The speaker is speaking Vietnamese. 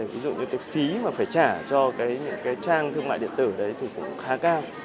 ví dụ như cái phí mà phải trả cho cái trang thương mại điện tử đấy thì cũng khá cao